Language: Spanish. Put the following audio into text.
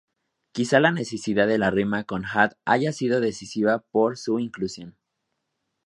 Quizá la necesidad de la rima con hat haya sido decisiva para su inclusión.